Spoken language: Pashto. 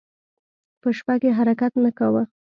په شپه کې حرکت نه کاوه.